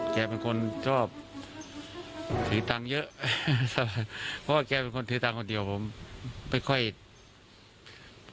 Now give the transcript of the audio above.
แกเป็นคนชอบถือตังเยอะเพราะแกเป็นคนถือตังคนเดียวผมไม่ชอบถือตังเรา